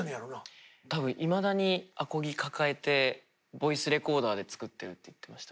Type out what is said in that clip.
多分いまだにアコギ抱えてボイスレコーダーで作ってるって言ってました。